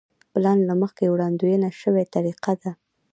پلان له مخکې وړاندوينه شوې طریقه ده.